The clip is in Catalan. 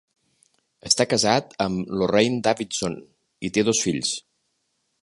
Està casat amb Lorraine Davidson i té dos fills.